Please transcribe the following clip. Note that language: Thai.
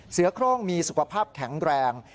เสือโครงมีสุขภาพแข็งแรง